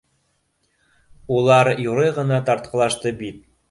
- Улар юрый ғына тартҡылашты бит.